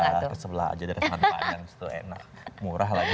udah lah tersebelah aja dari sana teman enak murah lagi